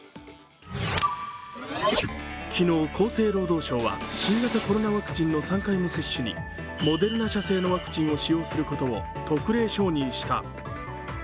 昨日、厚生労働省は新型コロナワクチンの３回目接種にモデルナ社製のワクチンを使用することを特例承認した。